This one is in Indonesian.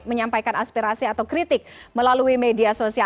menyampaikan aspirasi atau kritik melalui media sosial